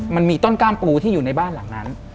มันมีต้นกล้ามปูที่อยู่ในบ้านหลังนั้น